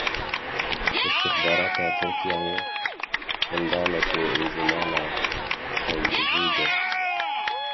Îstixbarata Tirkiyeyê endamekî Encûmena Xwecihî girt.